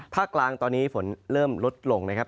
กลางตอนนี้ฝนเริ่มลดลงนะครับ